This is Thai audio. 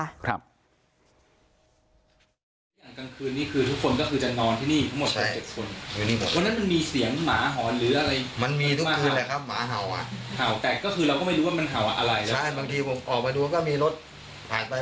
บางทีออกมาดูมีรถถาดไปถ้าเดียวพักอาศัยยังไม่ผิดปกติ